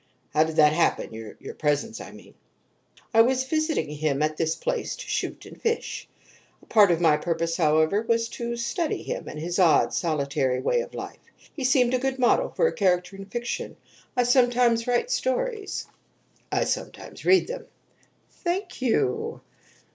"How did that happen your presence, I mean?" "I was visiting him at this place to shoot and fish. A part of my purpose, however, was to study him, and his odd, solitary way of life. He seemed a good model for a character in fiction. I sometimes write stories." "I sometimes read them." "Thank you."